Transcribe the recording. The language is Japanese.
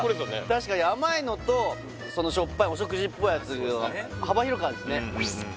確かに甘いのとしょっぱいお食事っぽいやつが幅広くあるんですね